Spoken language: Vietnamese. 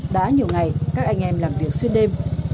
đã nhiều ngày các anh em làm việc xuyên đêm